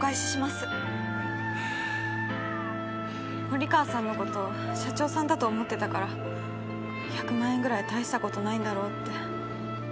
森川さんのこと社長さんだと思ってたから１００万円ぐらい大したことないんだろうって。